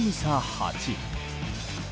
８。